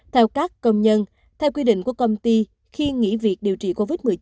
theo các công nhân theo quy định của công ty khi nghỉ việc điều trị covid một mươi chín